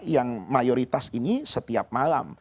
yang mayoritas ini setiap malam